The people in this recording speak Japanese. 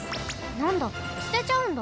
なんだすてちゃうんだ。